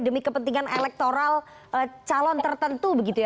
demi kepentingan elektoral calon tertentu